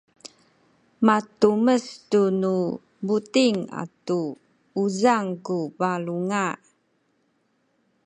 matumes tu nu buting atu uzang ku balunga